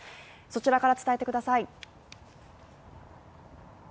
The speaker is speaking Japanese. そちらから伝えてください。